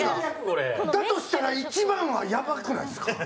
だとしたら１番はやばくないですか？